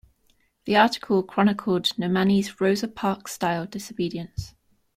The article chronicled Nomani's Rosa Parks-style disobedience.